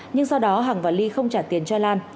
nhưng sau đó hằng và ly không trả tiền cho lan